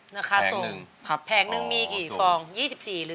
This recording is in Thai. ราคาส่งแผงนึงมีกี่ฟอง๒๔หรือ